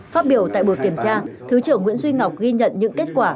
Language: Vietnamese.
phát biểu tại buổi kiểm tra thứ trưởng nguyễn duy ngọc ghi nhận những kết quả